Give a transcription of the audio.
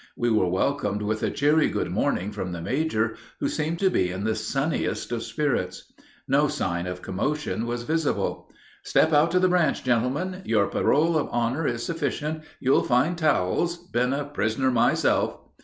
We were welcomed with a cheery good morning from the major, who seemed to be in the sunniest of spirits. No sign of commotion was visible. "Step out to the branch, gentlemen; your parole of honor is sufficient; you'll find towels been a prisoner myself."